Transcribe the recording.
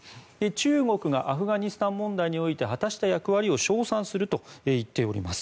中国がアフガニスタン問題において果たした役割を称賛すると言っています。